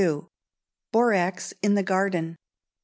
Borax in the Garden.